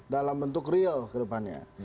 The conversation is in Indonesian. dalam bentuk real ke depannya